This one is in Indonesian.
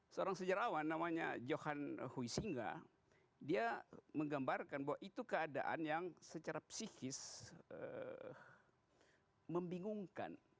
seorang sejarawan namanya johan hui singa dia menggambarkan bahwa itu keadaan yang secara psikis membingungkan